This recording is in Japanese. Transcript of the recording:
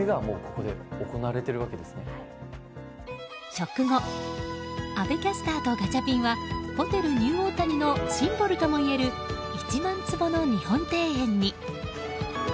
食後阿部キャスターとガチャピンはホテルニューオータニのシンボルともいえる１万坪の日本庭園に。